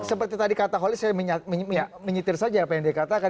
seperti tadi kata holis saya menyetir saja apa yang dikatakan